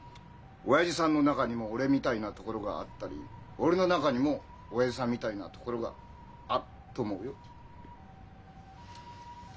親父さんの中にも俺みたいなところがあったり俺の中にも親父さんみたいなところがあると思うよ。